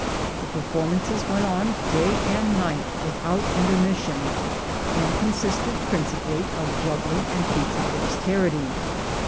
The performances went on day and night, with out intermission, and consisted principally of juggling and feats of dexterity.